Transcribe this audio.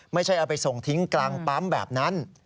ไม่ใช่เอาไปส่งทิ้งกลางปั๊มแบบนั้น